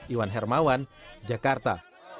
iwan hermawan jakarta